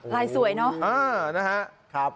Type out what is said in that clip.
ลายสวยเนอะ